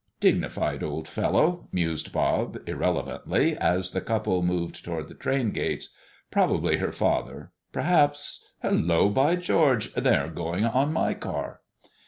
"Dignified old fellow!" mused Bob, irrelevantly as the couple moved toward the train gates. "Probably her father. Perhaps hallo, by George, they're going on my car!"